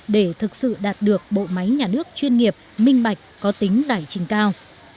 để thực sự đạt được bộ máy nhà nước chuyên nghiệp minh bạch có tính giải trình cao